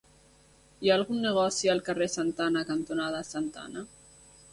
Hi ha algun negoci al carrer Santa Anna cantonada Santa Anna?